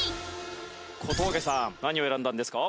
小峠さん何を選んだんですか？